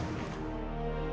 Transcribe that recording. kamu mau tidur